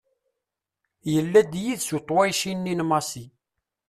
Yella d yid-s uṭwayci-nni n Massi.